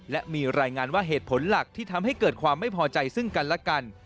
และมีรายงานว่าเหตุผลหลักที่ทำให้เกิดความไม่พอใจซึ่งกันและกัน